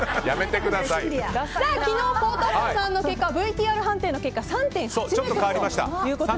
昨日、孝太郎さんの結果ＶＴＲ判定の結果３．８ｍとなりました。